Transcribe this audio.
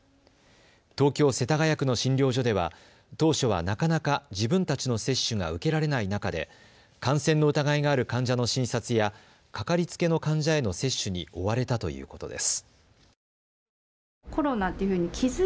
東京世田谷区の診療所では当初はなかなか自分たちの接種が受けられない中で感染の疑いがある患者の診察やかかりつけの患者への接種に追われたということです。